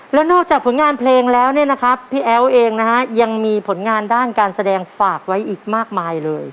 แล้วนอกจากผลงานเพลงแล้วเนี่ยนะครับพี่แอ๋วเองนะฮะยังมีผลงานด้านการแสดงฝากไว้อีกมากมายเลย